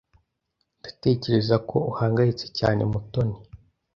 Ndatekereza ko uhangayitse cyane, Mutoni.